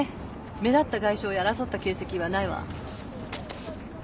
目立った外傷や争った形跡はないわ。